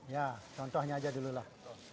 ya contohnya aja dululah